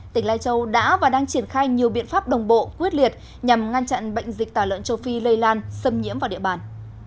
tỉnh lai châu đã và đang triển khai nhiều biện pháp đồng bộ quyết liệt nhằm ngăn chặn bệnh dịch tả lợn châu phi lây lan xâm nhiễm vào địa bàn